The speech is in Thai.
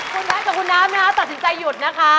คุณแพทส์กับคุณนัพน์ตัดสินใจหยุดนะคะ